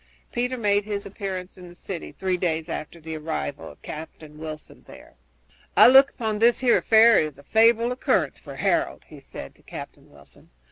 Peter made his appearance in the city three days after the arrival of Captain Wilson there. "I look upon this here affair as a favorable occurrence for Harold," he said to Captain Wilson.